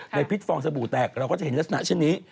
พิษฟองสบู่แตกเราก็จะเห็นลักษณะเช่นนี้